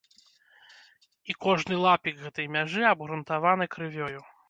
І кожны лапік гэтай мяжы абгрунтаваны крывёю.